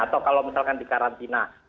atau kalau misalkan di karantina